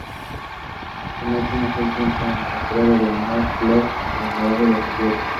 Su máquina del tiempo fue encontrada por los Morlocks y trasladada bajo tierra.